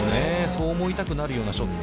そう思いたくなるようなショット。